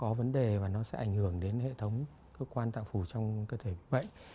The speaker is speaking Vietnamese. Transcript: nó có vấn đề và nó sẽ ảnh hưởng đến hệ thống cơ quan tạng phủ trong cơ thể bị bệnh